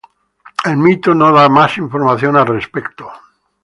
El mito no da más información al respecto.